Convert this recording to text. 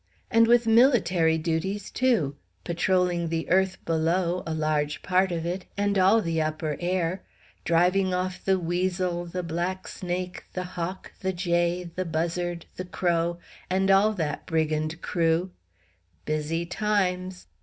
And with military duties too; patrolling the earth below, a large part of it, and all the upper air; driving off the weasel, the black snake, the hawk, the jay, the buzzard, the crow, and all that brigand crew busy times!